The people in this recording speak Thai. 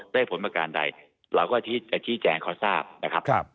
ได้ผลประการใดเราก็จะชี้แจงเขาทราบนะครับ